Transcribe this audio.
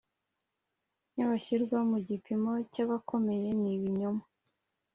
Nibashyirwa mu gipimo cy’abakomeye ni ibinyoma